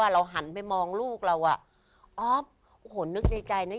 เราหันไปมองลูกเราอ๊อฟแนวยักษ์ในใจเนี่ย